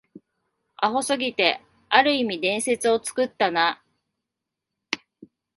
アホすぎて、ある意味伝説を作ったな